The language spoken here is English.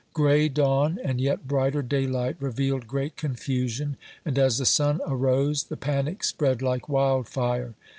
Gray dawn and yet brighter daylight revealed great confusion, and as the sun arose, the panic spread like wild fire.